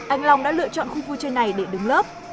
anh long đã lựa chọn khu vui chơi này để đứng lớp